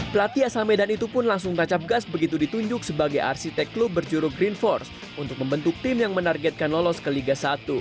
pelatih asal medan itu pun langsung kacap gas begitu ditunjuk sebagai arsitek klub berjuru green force untuk membentuk tim yang menargetkan lolos ke liga satu